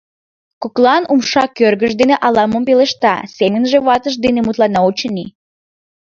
Коклан умша кӧргыж дене ала-мом пелешта: семынже ватыж дене мутлана, очыни.